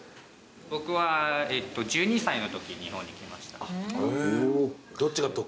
僕は１２歳のとき日本に来ました。